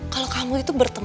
kalau kamu itu berteman